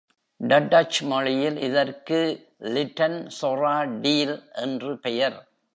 Tudge மொழியில் இதற்கு லிட்டன்செராடீல் என்று பெயர்.